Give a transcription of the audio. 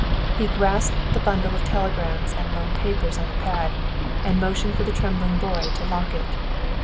He grasped the bundle of telegrams and lone papers on the pad, and motioned for the trembling boy to lock it.